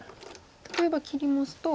例えば切りますと。